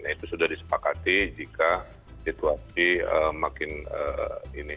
itu sudah disepakati jika situasi makin ini